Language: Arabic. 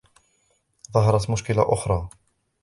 ظهرت مشكلة آخرى.